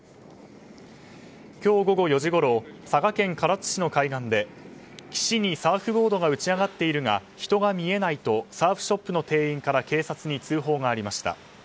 今日午後４時ごろ佐賀県唐津市の海岸で岸にサーフボードが打ち上がっているが人が見えないとサーフショップの店員から警察に通報がありました。